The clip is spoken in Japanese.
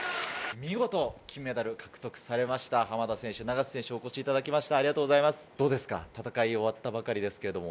見事金メダル獲得されました、浜田選手、永瀬選手にお越しいただきました。